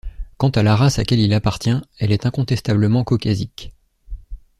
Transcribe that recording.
Quant à la race à laquelle il appartient, elle est incontestablement caucasique.